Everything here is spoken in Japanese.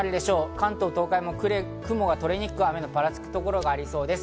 関東、東海も雲が取れにくく、雨のパラつくところがありそうです。